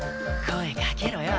声かけろよ。